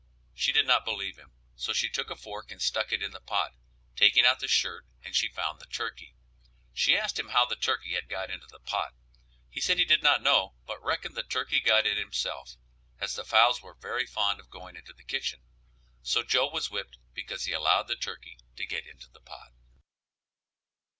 She did not believe him, so she took a fork and stuck it in the pot, taking out the shirt, and she found the turkey. She asked him how the turkey had got into the pot; he said he did not know but reckoned the turkey got in himself, as the fowls were very fond of going into the kitchen. So Joe was whipped because he allowed the turkey to get into the pot.